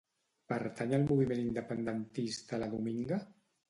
Pertany al moviment independentista la Dominga?